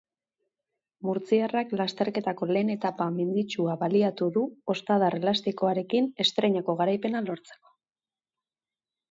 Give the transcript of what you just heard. Murtziarrak lasterketako lehen etapa menditsua baliatu du ostadar elastikoarekin estreinako garaipena lortzeko.